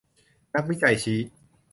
นักวิจัยชี้